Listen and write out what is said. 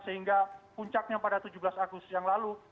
sehingga puncaknya pada tujuh belas agustus yang lalu